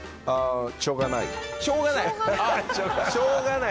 「しょうがない」！